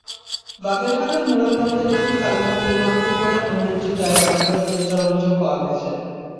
বাগেরহাটের মোরেলগঞ্জের একটি কালীমন্দির ভাঙচুর করে মন্দিরটির জায়গা দখলের চেষ্টার অভিযোগ পাওয়া গেছে।